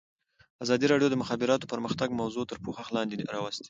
ازادي راډیو د د مخابراتو پرمختګ موضوع تر پوښښ لاندې راوستې.